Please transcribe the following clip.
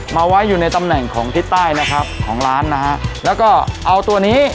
ไว้อยู่ในตำแหน่งของทิศใต้นะครับของร้านนะฮะแล้วก็เอาตัวนี้